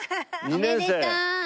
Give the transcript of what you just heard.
おめでとう。